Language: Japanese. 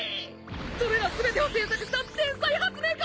それら全てを制作した天才発明家！